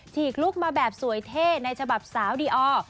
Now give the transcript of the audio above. ฉกลุกมาแบบสวยเท่ในฉบับสาวดีออร์